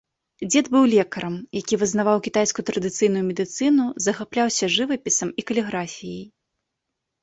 Дзед быў лекарам, якія вызнаваў кітайскую традыцыйную медыцыну, захапляўся жывапісам і каліграфіяй.